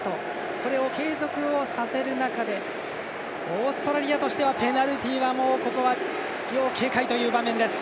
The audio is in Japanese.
これを継続をさせる中でオーストラリアとしてはペナルティはもうここは、要警戒という場面。